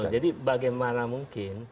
jadi bagaimana mungkin